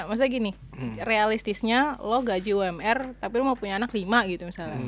maksudnya gini realistisnya lo gaji umr tapi lo mau punya anak lima gitu misalnya